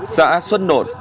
xã xuân nộn